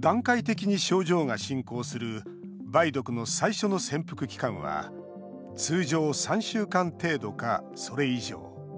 段階的に症状が進行する梅毒の最初の潜伏期間は通常３週間程度か、それ以上。